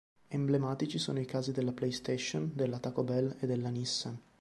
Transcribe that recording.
Emblematici sono i casi della PlayStation, della Taco Bell e della Nissan.